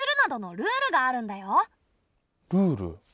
ルール？